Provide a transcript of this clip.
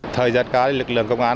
thời gian khác lực lượng công an